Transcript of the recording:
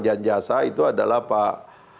janjasa itu adalah pak